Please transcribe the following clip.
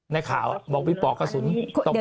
ในข่าวบอกว่ามีปอกกระสุนตกอยู่